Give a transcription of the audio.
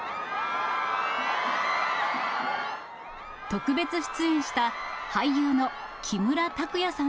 特別出演した俳優の木村拓哉さん